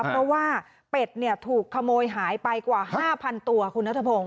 เพราะว่าเป็ดถูกขโมยหายไปกว่า๕๐๐ตัวคุณนัทพงศ